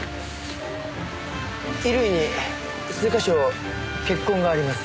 衣類に数か所血痕があります。